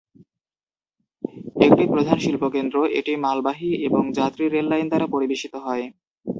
একটি প্রধান শিল্প কেন্দ্র, এটি মালবাহী এবং যাত্রী রেল লাইন দ্বারা পরিবেশিত হয়।